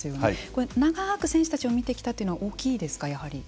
これ長く選手たちを見てきたというのは大きいですかやはり。